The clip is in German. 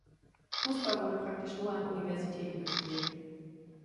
Fußball wurde praktisch nur an Universitäten gespielt.